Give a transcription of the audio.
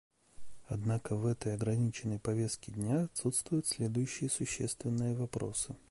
Однако в этой ограниченной повестке дня отсутствуют следующие существенные вопросы.